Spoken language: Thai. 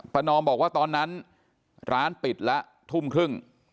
นอมบอกว่าตอนนั้นร้านปิดละทุ่มครึ่ง